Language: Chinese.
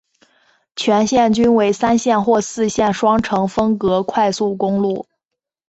全线均为三线或四线双程分隔快速公路。